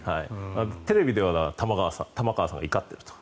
テレビでは玉川さんが怒っていると。